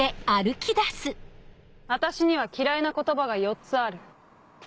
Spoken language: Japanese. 私には嫌いな言葉が４つある。